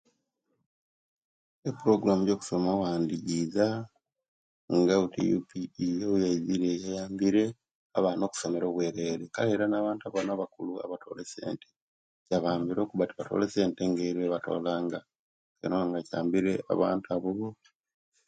Eporoguramu ejokusoma owandi jiza, nga buti UPE obweyaizire yayambire abaana okusomera obwerere, kale era na'bantu bano abakulu abatoolanga esente yabayambire lwokuba tebatoola esente nga webatoolanga, nikyiba nga kyambire abantu abo bona.